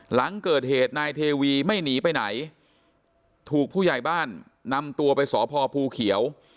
หลังเกิดเหตุนายเทวีไม่หนีไปไหนถูกผู้ใหญ่บ้านนำตัวไปสพภูเขียว